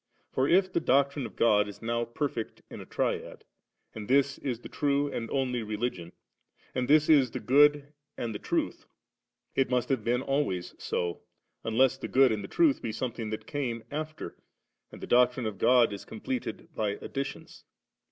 For if the doctrine of God b now perfect in a Triad, and this is the true and only Religion, and this is the good and the truth, it must have been always so, unless the good and the truth be something that came after, and the doctrine of God is completed by additions.